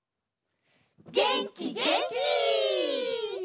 げんきげんき！